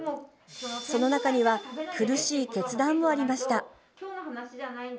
その中には苦しい決断もありました。